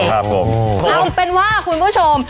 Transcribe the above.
เอาเป็นว่าคุณผู้ชม